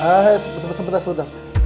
ah sempet sempet